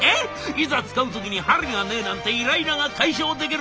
いざ使う時に針がねえなんてイライラが解消できるかも！